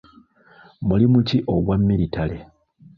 Mulimu ki ogwa miritale?